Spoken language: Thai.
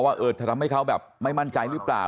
ว่าจะทำให้เขาแบบไม่มั่นใจหรือเปล่า